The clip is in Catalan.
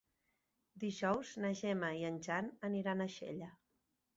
Dijous na Gemma i en Jan aniran a Xella.